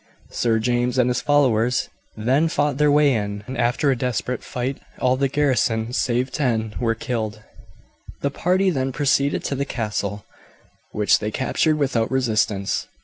Sir James and his followers then fought their way in, and after a desperate fight all the garrison save ten were killed. The party then proceeded to the castle, which they captured without resistance.